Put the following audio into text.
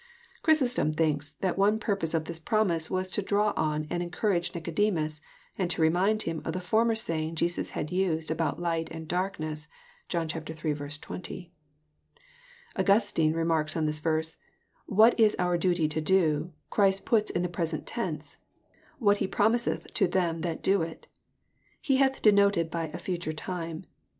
Chrysostom thinks that one purpose of this promise was to draw on and encourage Kicodemus, and to remind him of the former saying Jesus had used al>out light and darkness, John iU. 20. Augustine remarks on this verse, " What is our duty to do, Christ puts in the present tense : what He promiseth to them that do it. He hath denoted by a future time.